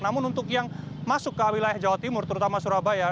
namun untuk yang masuk ke wilayah jawa timur terutama surabaya